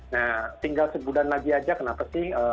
nah tinggal sebulan lagi aja kenapa sih